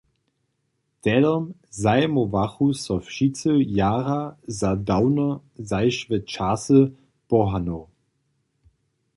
Tehdom zajimowachu so wšitcy jara za dawno zašłe časy pohanow.